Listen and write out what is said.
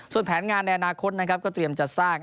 ส่วนแผนงานในอนาคตนะครับก็เตรียมจะสร้าง